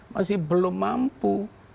masih belum mampu